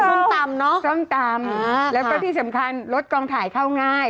ส้มตำเนอะส้มตำแล้วก็ที่สำคัญรถกองถ่ายเข้าง่าย